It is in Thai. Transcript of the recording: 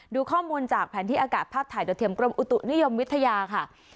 ดูข้อมูลจากแผนที่อากาศภาพถ่ายโดยเทียมกรมอุตุนิยมวิทยาค่ะ